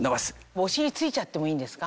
お尻ついちゃってもいいんですか？